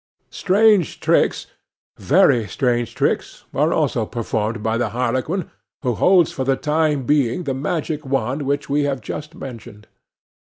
Strange tricks—very strange tricks—are also performed by the harlequin who holds for the time being the magic wand which we have just mentioned.